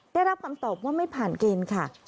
ได้รับคำตอบว่าไม่ผ่านเกณฑ์ค่ะ